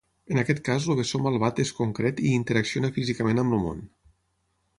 En aquest cas el bessó malvat és concret i interacciona físicament amb el món.